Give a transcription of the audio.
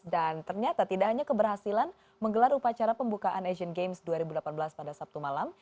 dan ternyata tidak hanya keberhasilan menggelar upacara pembukaan asian games dua ribu delapan belas pada sabtu malam